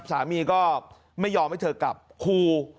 สามีก็ไม่ยอมให้เธอกลับคู่